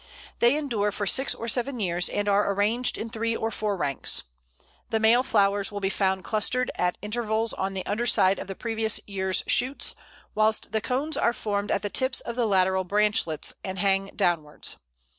They endure for six or seven years, and are arranged in three or four ranks. The male flowers will be found clustered at intervals on the underside of the previous year's shoots, whilst the cones are formed at the tips of the lateral branchlets, and hang downwards.